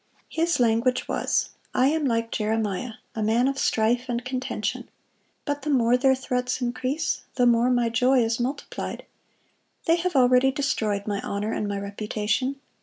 His language was: "I am like Jeremiah, a man of strife and contention; but the more their threats increase, the more my joy is multiplied.... They have already destroyed my honor and my reputation.